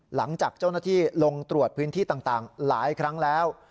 หลังจากเจ้าหน้าที่ลงตรวจพื้นที่ต่างหลายครั้งแล้ว